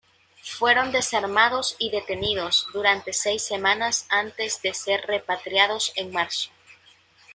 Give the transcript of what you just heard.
Fueron desarmados y detenidos durante seis semanas antes de ser repatriados en marzo.